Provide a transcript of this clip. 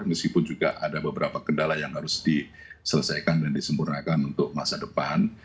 meskipun juga ada beberapa kendala yang harus diselesaikan dan disempurnakan untuk masa depan